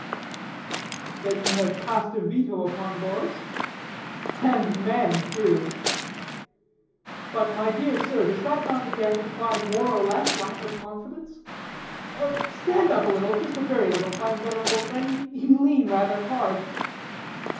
"Then you have passed a veto upon boys?" "And men, too." "But, my dear sir, does not that again imply more or less lack of confidence? (Stand up a little, just a very little, my venerable friend; you lean rather hard.)